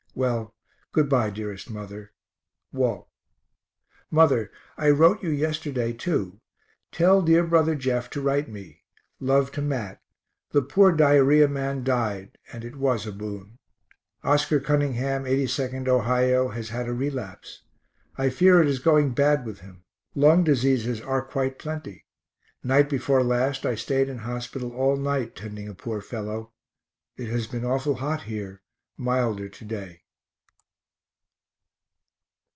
Well, good bye, dearest mother. WALT. Mother, I wrote you yesterday, too. Tell dear brother Jeff to write me. Love to Mat. The poor diarrhoea man died, and it was a boon. Oscar Cunningham, 82nd Ohio, has had a relapse. I fear it is going bad with him. Lung diseases are quite plenty night before last I staid in hospital all night tending a poor fellow. It has been awful hot here milder to day.